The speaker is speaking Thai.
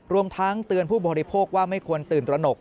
รวมทั้งเตือนผู้บริโภคว่าไม่ควรตื่นตระหนก